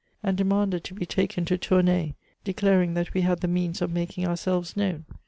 and demanded to be taken to Toumay, declaring that we had the means of making ourselves known.